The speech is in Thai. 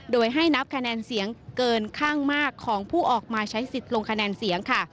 โดยให้นับคะแนนเสียงเกินข้างมากของผู้ออกมาใช้สิทธิ์ลงคะแนนเสียงค่ะ